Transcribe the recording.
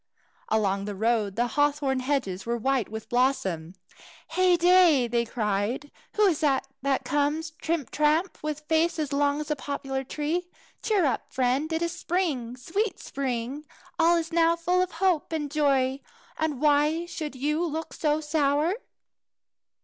Along the road the hawthorn hedges were white with blossom. "Heyday!" they cried, "who is this that comes trimp tramp, with a face as long as a poplar tree? Cheer up, friend! It is spring! sweet spring! All is now full of hope and joy, and why should you look so sour?"